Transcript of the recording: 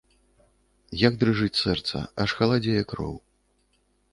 Як дрыжыць сэрца, аж халадзее кроў.